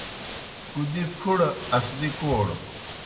کُدی پُھڑہ، اسدی کوڑہ